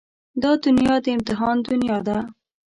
دا دنيا د امتحان دنيا ده.